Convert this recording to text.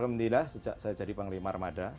alhamdulillah sejak saya jadi panglima armada